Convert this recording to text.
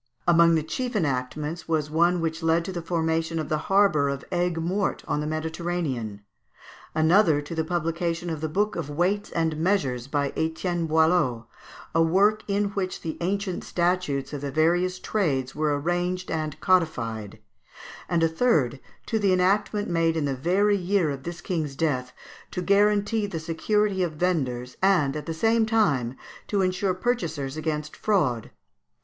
Among the chief enactments was one which led to the formation of the harbour of Aigues Mortes on the Mediterranean; another to the publication of the book of "Weights and Measures," by Etienne Boileau, a work in which the ancient statutes of the various trades were arranged and codified; and a third to the enactment made in the very year of this king's death, to guarantee the security of vendors, and, at the same time, to ensure purchasers against fraud.